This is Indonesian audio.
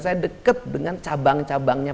saya dekat dengan cabang cabangnya